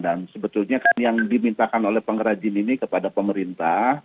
dan sebetulnya kan yang dimintakan oleh pengrajin ini kepada pemerintah